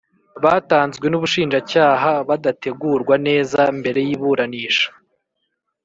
batanzwe n Ubushinjacyaha badategurwa neza mbere y iburanisha